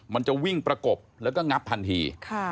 มันจะวิ่งประกบแล้วก็งับทันที